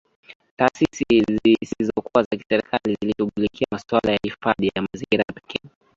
Taasisi zisizokuwa za kiserikali zilishughulikia masuala ya hifadhi ya mazingira pekee